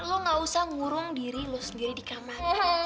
lu gak usah ngurung diri lo sendiri di kamarnya